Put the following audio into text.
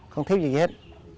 không thiếu gì gì hết